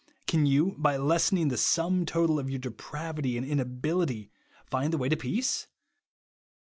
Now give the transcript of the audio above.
Can you, by lessening the sum total of your depravity and inability, find the way to peace